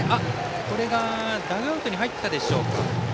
ダグアウトに入ったでしょうか。